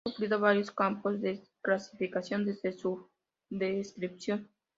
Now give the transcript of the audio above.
Ha sufrido varios cambios de clasificación desde su descripción.